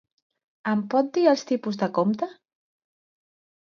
Em pot dir els tipus de compte?